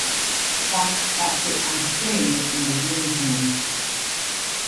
Fox acted on screen in "The Groomsmen".